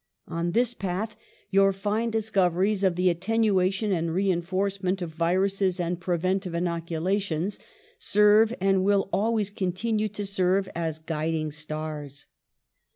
On this path your fine discoveries of the attenuation and reinforcement of viruses and preventive inoculations serve and will always continue to serve as guiding stars.